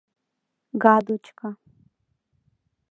Гадочка.